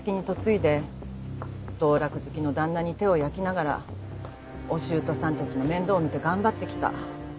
道楽好きの旦那に手を焼きながらお舅さんたちの面倒を見て頑張ってきた。